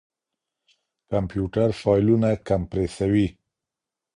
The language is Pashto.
کمپيوټر فايلونه کمپريسوي.